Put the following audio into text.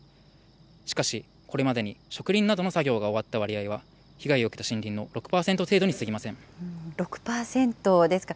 しかし、これまでに植林などの作業が終わった割合は、被害を受けた森林の６％ですか。